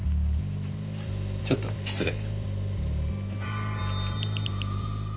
ちょっと失礼。